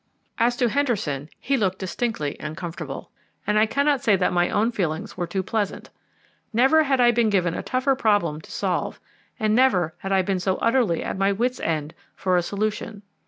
As to Henderson, he looked distinctly uncomfortable, and I cannot say that my own feelings were too pleasant. Never had I been given a tougher problem to solve, and never had I been so utterly at my wits' end for a solution.